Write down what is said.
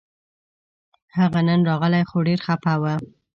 هغه نن راغی خو ډېر خپه و